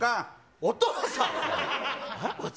お父さん！